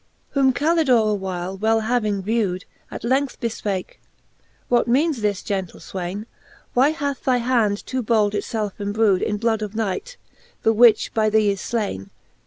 Whpm Calidore a while well having vewed, At length befpake; What meanes this, gentle fwaine? Why hath thy hand too bold itielfe embrewed In blood of knight, the which by thee is flaine.